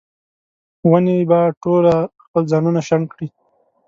ونې به ټوله خپل ځانونه شنډ کړي